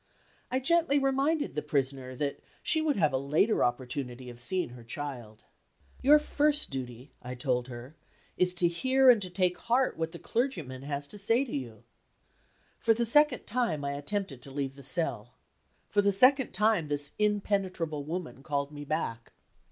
I gently reminded the Prisoner that she would have a later opportunity of seeing her child. "Your first duty," I told her, "is to hear and to take to heart what the clergyman has to say to you." For the second time I attempted to leave the cell. For the second time this impenetrable woman called me back.